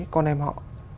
con em họ